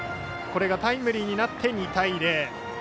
これがタイムリーになって２対０。